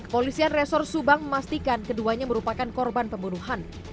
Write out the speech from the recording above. polisian resor subang memastikan keduanya merupakan korban pembunuhan